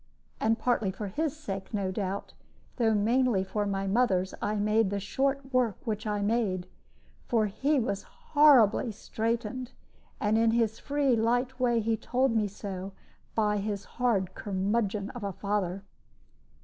And partly for his sake, no doubt, though mainly for my mother's, I made the short work which I made; for he was horribly straitened and in his free, light way he told me so by his hard curmudgeon of a father.